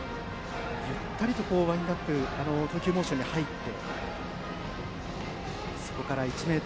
ゆったりワインドアップで投球モーションに入って。